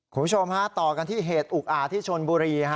คุณผู้ชมฮะต่อกันที่เหตุอุกอาจที่ชนบุรี